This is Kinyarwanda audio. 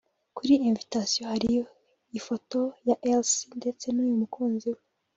Kuri Invitation hari ifoto ya Elcy ndetse n’uyu mukunzi we